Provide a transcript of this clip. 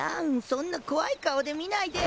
そんな怖い顔で見ないで。